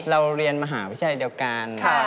เราเรียนมหาวิทยาลัยเดียวกัน